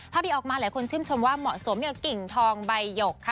ที่ออกมาหลายคนชื่นชมว่าเหมาะสมอย่างกิ่งทองใบหยกค่ะ